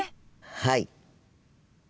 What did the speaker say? はい。